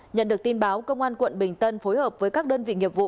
nhận được tin báo công an quận bình tân phối hợp với các đơn vị nghiệp vụ